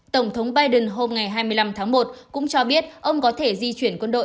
tổng thống biden hôm ngày hai mươi năm tháng một cũng cho biết ông có thể di chuyển quân đội